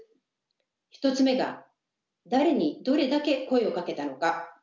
１つ目が「誰にどれだけ声をかけたのか」。